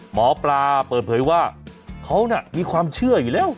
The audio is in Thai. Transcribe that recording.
หมอปลาเปิดเผยว่าเขาน่ะมีความเชื่ออยู่แล้ว